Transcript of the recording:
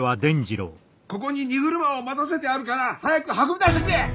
ここに荷車を待たせてあるから早く運び出してくれ！